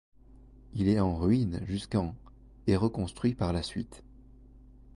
Il est en ruines jusqu'en et reconstruit par la suite.